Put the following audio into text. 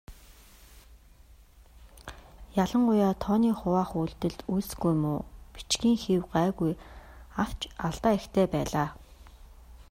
Ялангуяа тооны хуваах үйлдэлд үйлсгүй муу, бичгийн хэв гайгүй авч алдаа ихтэй байлаа.